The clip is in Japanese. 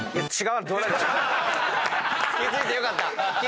気付いてよかった。